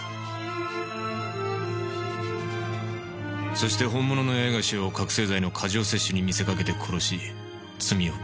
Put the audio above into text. そして本物の八重樫を覚せい剤の過剰摂取に見せかけて殺し罪を着せた。